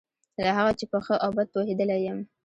له هغه چې په ښه او بد پوهېدلی یم.